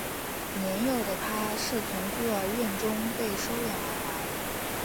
年幼的他是从孤儿院中被收养而来。